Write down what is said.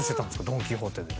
ドン・キホーテで。